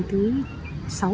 tháng tám á